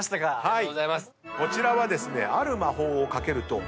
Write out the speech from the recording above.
こちらはですね。